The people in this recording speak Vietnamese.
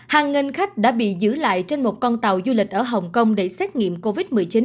hàng nghìn khách đã bị giữ lại trên một con tàu du lịch ở hồng kông để xét nghiệm covid một mươi chín